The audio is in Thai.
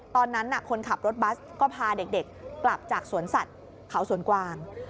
ตอนนั้นคนขับรถบัสก็พาเด็กกลับจากสวนสัตว์เขาสวนกวาง